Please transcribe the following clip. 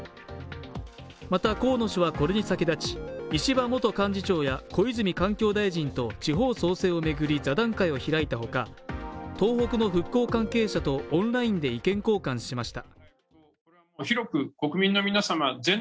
また河野氏はこれに先立ち、石破元幹事長や小泉環境大臣と地方創世を巡り座談会を開いたほか、東北の復興関係者とオンラインで意見交換しました。